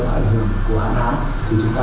hệ thống của hãng áo thì chúng ta